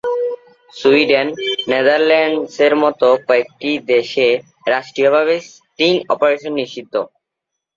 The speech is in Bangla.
সুইডেন, নেদারল্যান্ডসের মতো কয়েকটি দেশে রাষ্ট্রীয়ভাবে স্টিং অপারেশন নিষিদ্ধ।